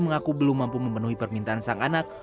mengaku belum mampu memenuhi permintaan sang anak